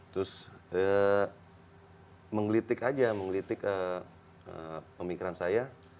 terus menggelitik aja menggelitik pemikiran saya